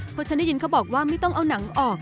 เพราะฉันได้ยินเขาบอกว่าไม่ต้องเอาหนังออก